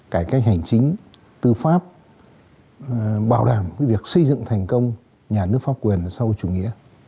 cải cách hành chính tư pháp bảo đảm việc xây dựng thành công nhà nước pháp quyền sau chủ nghĩa